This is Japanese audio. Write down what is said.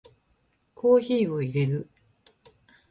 コーヒーを淹れる